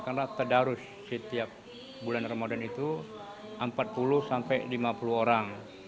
karena tadarus setiap bulan ramadan itu empat puluh sampai lima puluh orang